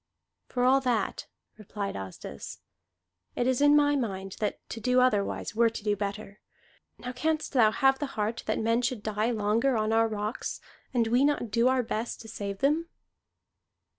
"For all that," replied Asdis, "it is in my mind that to do otherwise were to do better. Now canst thou have the heart that men should die longer on our rocks, and we not do our best to save them?"